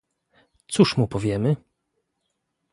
"Cóż mu powiemy?"